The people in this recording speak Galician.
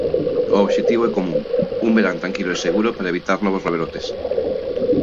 O obxectivo é común: un verán tranquilo e seguro para evitar novos rebrotes.